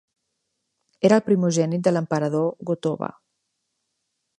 Era el primogènit de l'emperador Go-Toba.